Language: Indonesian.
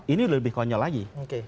ini lebih konyol lagi